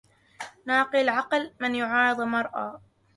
ناقص العقل من يعارض مرءا